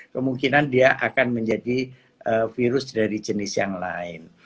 kemungkinan dia akan menjadi virus dari jenis yang lain